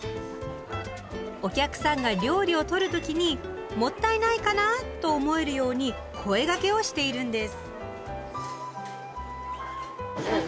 お客さんが料理を取る時に「もったいない」かな？と思えるように声がけをしているんです。